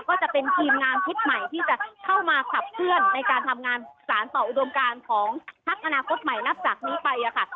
ก็จะเป็นทีมงานชุดใหม่ที่จะเข้ามาขับเคลื่อนในการทำงานสารต่ออุดมการของพักอนาคตใหม่นับจากนี้ไปค่ะ